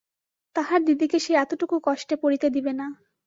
তাহার দিদিকে সে এতটুকু কষ্টে পড়িতে দিবে না।